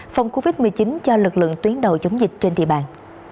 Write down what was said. phòng covid một mươi chín cho lực lượng tuyến đầu chống dịch trên thị bàn